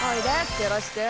よろしく。